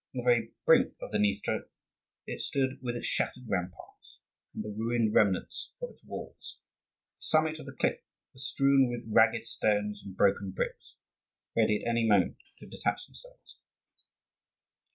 On the very brink of the Dniester it stood, with its shattered ramparts and the ruined remnants of its walls. The summit of the cliff was strewn with ragged stones and broken bricks, ready at any moment to detach themselves.